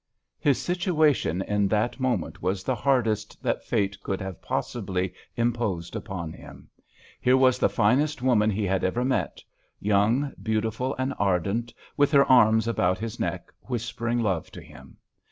His situation in that moment was the hardest that Fate could have possibly imposed upon him. Here was the finest woman he had ever met—young, beautiful and ardent, with her arms about his neck, whispering love to him.